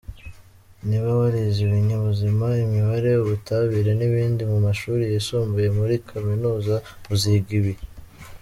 Niba warize Ibinyabuzima, Imibare, Ubutabire n’ibindi mu mashuri yisumbuye, muri Kaminuza uziga ibi.